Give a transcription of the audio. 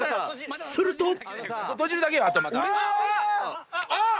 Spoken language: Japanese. ［すると］あっ！